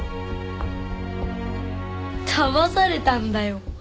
だまされたんだよ。